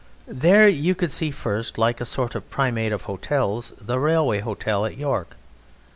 There you could see first, like a sort of Primate of Hotels, the Railway Hotel at York.